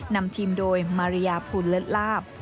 นำทีมโดยมารียาพูลและลาบ